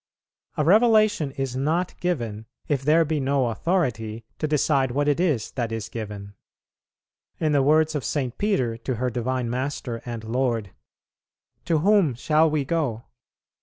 A revelation is not given, if there be no authority to decide what it is that is given. In the words of St. Peter to her Divine Master and Lord, "To whom shall we go?"